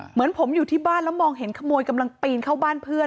เหมือนผมอยู่ที่บ้านแล้วมองเห็นขโมยกำลังปีนเข้าบ้านเพื่อน